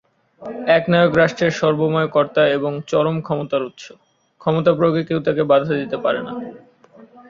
একনায়ক রাষ্ট্রের সর্বময় কর্তা এবং চরম ক্ষমতার উৎস, ক্ষমতা প্রয়োগে কেউ তাকে বাধা দিতে পারে না।